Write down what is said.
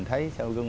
phải không em